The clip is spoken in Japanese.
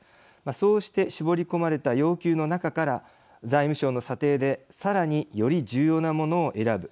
そうして絞り込まれた要求の中から財務省の査定でさらにより重要なものを選ぶ。